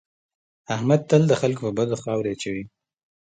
احمد تل د خلکو په بدو خاورې اچوي.